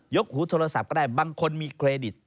หูโทรศัพท์ก็ได้บางคนมีเครดิต